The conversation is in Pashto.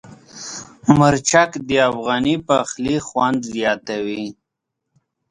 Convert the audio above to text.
مرچک د افغاني پخلي خوند زیاتوي.